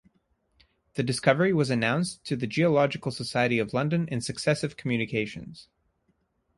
The discovery was announced to the Geological Society of London in successive communications.